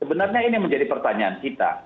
sebenarnya ini menjadi pertanyaan kita